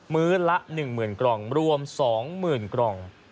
มื้อละ๑หมื่นกล่องรวม๒๐๐๐๐กล่อง